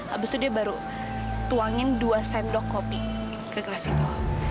habis itu dia baru tuangin dua sendok kopi ke gelas itu